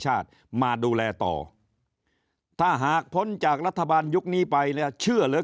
ชาติมาดูแลต่อถ้าหากพ้นจากรัฐบาลยุคนี้ไปเนี่ยเชื่อเหลือ